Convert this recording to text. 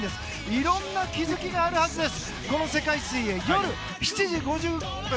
いろんな気づきがあるはずです。